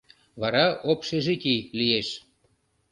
Вара общежитий лиеш.